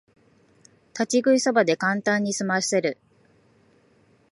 立ち食いそばでカンタンにすませる